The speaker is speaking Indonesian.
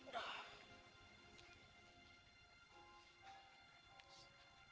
dia bukan hantu